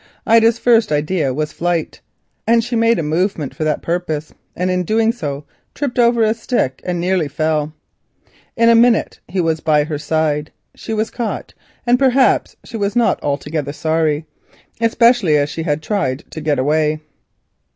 Ida's first idea was flight, and she made a movement for that purpose, but in doing so tripped over a stick and nearly fell. In a minute he was by her side. She was caught, and perhaps she was not altogether sorry, especially as she had tried to get away.